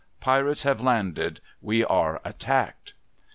Pirates have landed. We are attacked